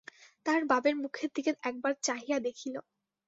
তাহার বাপের মুখের দিকে একবার চাহিয়া দেখিল।